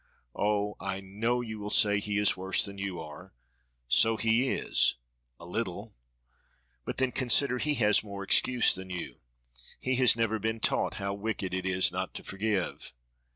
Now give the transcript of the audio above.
Oh! I know you will say he is worse than you are; so he is, a little; but then consider he has more excuse than you; he has never been taught how wicked it is not to forgive.